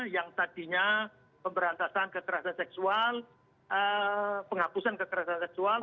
yang tadinya pemberantasan kekerasan seksual penghapusan kekerasan seksual